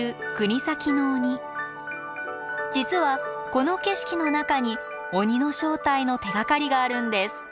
実はこの景色の中に鬼の正体の手がかりがあるんです。